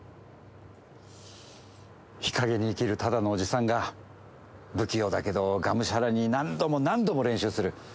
日陰に生きるただのおじさんが、不器用だけど、がむしゃらに何度も何度も練習する。